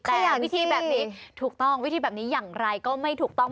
แต่วิธีแบบนี้ถูกต้องวิธีแบบนี้อย่างไรก็ไม่ถูกต้อง